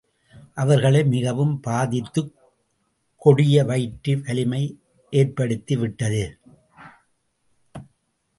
அவர்களை மிகவும் பாதித்துக் கொடிய வயிற்று வலியை ஏற்படுத்தி விட்டது.